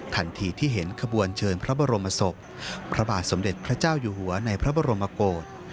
ทันทีที่เห็นขบวนเชิญพระบรมศพพระบาทสมเด็จพระเจ้าอยู่หัวในพระบรมโกศ